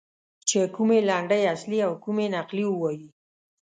چې کومې لنډۍ اصلي او کومې نقلي ووایي.